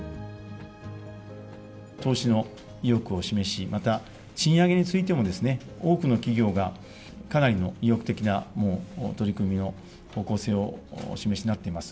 投資の意欲を示し、また賃上げについても多くの企業が、かなりの意欲的なもう取り組みの方向性をお示しになっています。